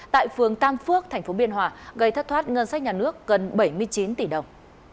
tại phường tam phước tp biên hòa gây thất thoát ngân sách nhà nước gần bảy mươi chín tỷ đồng